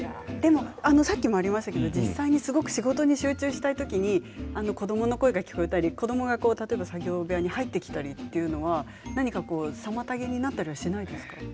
さっきもありましたが実際に仕事に集中したいときに子どもの声が聞こえたり子どもが作業部屋に入ってきたりというのは何か妨げになったりはないですか。